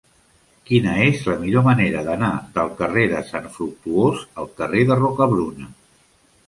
Quina és la millor manera d'anar del carrer de Sant Fructuós al carrer de Rocabruna?